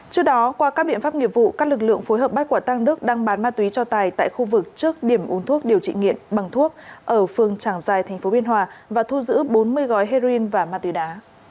trước đó qua các biện pháp nghiệp vụ các lực lượng phối hợp bắt quả tăng đức đang bán ma túy cho tài tại khu vực trước điểm uống thuốc điều trị nghiện bằng thuốc ở phường tràng giai tp biên hòa và thu giữ bốn mươi gói heroin và ma túy đá